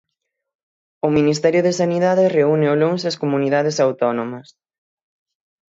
O Ministerio de Sanidade reúne o luns as comunidades autónomas.